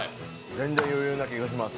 全然余裕な気がします。